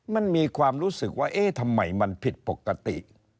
มันมีความรู้สึกว่าเอ๊ะทำไมมันผิดปกติ